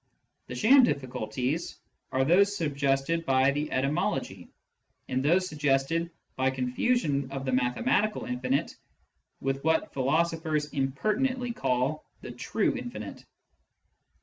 The sham difficulties are those suggested by the etymology, and those suggested by confusion of the mathematical infinite with what philosophers im pertinently call the " true " infinite.